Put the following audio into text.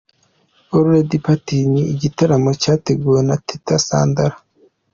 All Red Party ni igitaramo cyateguwe na Teta Sandra.